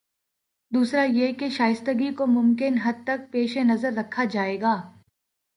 دوسرا یہ کہ شائستگی کو ممکن حد تک پیش نظر رکھا جائے گا۔